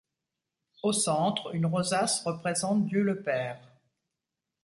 Au centre, une rosace représente Dieu le Père.